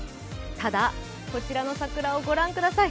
ただ、こちらの桜をご覧ください。